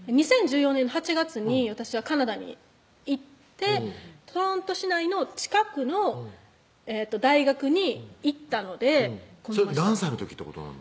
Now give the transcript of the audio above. ２０１４年の８月に私はカナダに行ってトロント市内の近くの大学に行ったのでそれ何歳の時ってことなの？